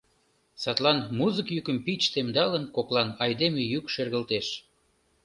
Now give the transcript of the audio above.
Садлан музык йӱкым пич темдалын, коклан айдеме йӱк шергылтеш: